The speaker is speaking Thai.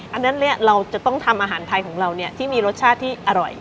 อันนั้นเราจะต้องทำอาหารไทยของเราที่มีรสชาติที่อร่อย